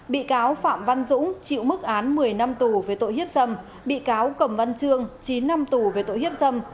bị cáo phạm văn dũng chịu mức án một mươi năm tù về tội hiếp dâm bị cáo cầm văn trương chín năm tù về tội hiếp dâm